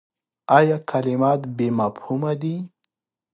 ایا کلمات بې مفهومه دي ؟